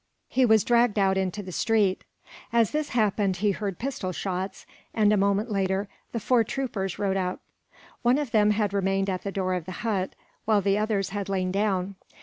He was dragged out into the street. As this happened he heard pistol shots and, a moment later, the four troopers rode up. One of them had remained at the door of the hut, while the others had lain down.